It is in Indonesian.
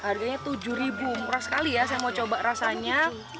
harganya tujuh ribu murah sekali ya saya mau coba rasanya